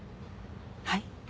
はい？